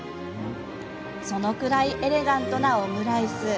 そのくらいエレガントなオムライス。